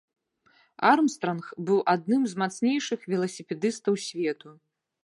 Армстранг быў адным з мацнейшых веласіпедыстаў свету.